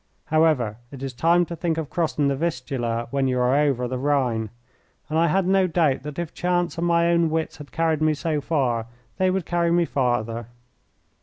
However, it is time to think of crossing the Vistula when you are over the Rhine, and I had no doubt that if chance and my own wits had carried me so far they would carry me farther.